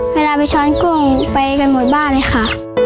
เวลาไปช้อนกุ้งไปกันหมดบ้านเลยค่ะ